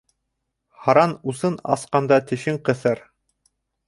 Һаран усын асҡанда тешен ҡыҫыр.